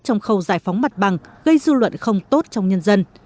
trong khâu giải phóng mặt bằng gây dư luận không tốt trong nhân dân